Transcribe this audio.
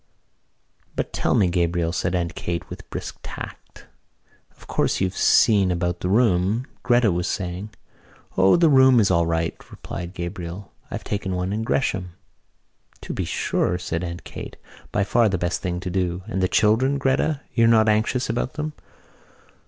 "But tell me, Gabriel," said Aunt Kate, with brisk tact. "Of course, you've seen about the room. Gretta was saying...." "O, the room is all right," replied Gabriel. "I've taken one in the Gresham." "To be sure," said Aunt Kate, "by far the best thing to do. And the children, Gretta, you're not anxious about them?"